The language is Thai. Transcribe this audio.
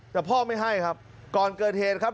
แต่พ่อไม่ให้ครับก่อนเกิดเหตุครับ